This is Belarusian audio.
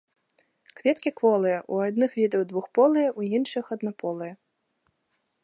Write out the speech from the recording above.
Кветкі кволыя, у адных відаў двухполыя, у іншых аднаполыя.